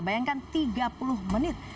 bayangkan tiga puluh menit